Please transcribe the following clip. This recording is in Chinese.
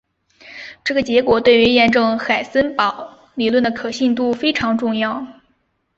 这个结果对于验证海森堡理论的可信度非常重要。